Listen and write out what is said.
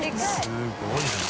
すごいな。